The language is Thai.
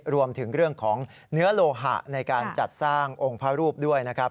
รวมถึงเรื่องของเนื้อโลหะในการจัดสร้างองค์พระรูปด้วยนะครับ